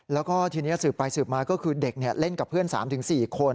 แล้วก็ทีนี้สืบไปสืบมาก็คือเด็กเล่นกับเพื่อน๓๔คน